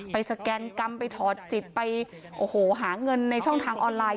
สแกนกรรมไปถอดจิตไปโอ้โหหาเงินในช่องทางออนไลน์